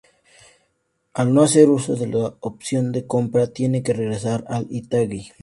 Al no hacer uso de la opción de compra, tiene que regresar al Itagüí.